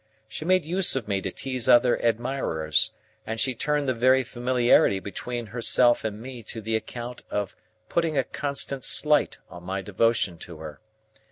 She made use of me to tease other admirers, and she turned the very familiarity between herself and me to the account of putting a constant slight on my devotion to her.